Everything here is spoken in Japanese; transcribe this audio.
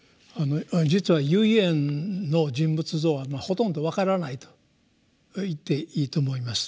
実は唯円の人物像はほとんど分からないと言っていいと思います。